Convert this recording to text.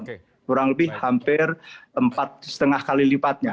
kurang lebih hampir empat lima kali lipatnya